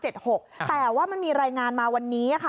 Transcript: แต่ว่ามันมีรายงานมาวันนี้ค่ะ